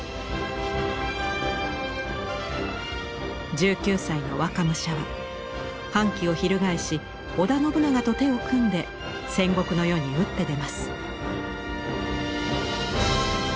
１９歳の若武者は反旗を翻し織田信長と手を組んで戦国の世に打って出ます。